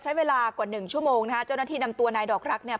ใช้เวลากว่าหนึ่งชั่วโมงนะฮะเจ้าหน้าที่นำตัวนายดอกรักเนี่ย